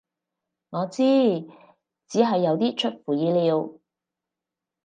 我知，只係有啲出乎意料